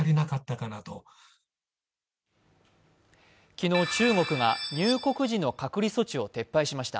昨日、中国が入国時の隔離措置を撤廃しました。